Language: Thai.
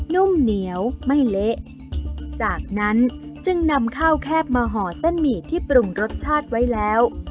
นุ่มเหนียวไม่เละจากนั้นจึงนำข้าวแคบมาห่อเส้นหมี่ที่ปรุงรสชาติไว้แล้ว